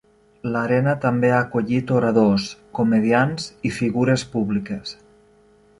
L'arena també ha acollit oradors, comediants i figures públiques.